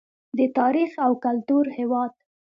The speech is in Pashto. د تاریخ او کلتور هیواد.